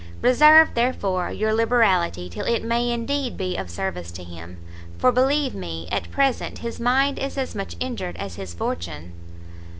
Reserve, therefore, your liberality till it may indeed be of service to him, for believe me, at present, his mind is as much injured as his fortune."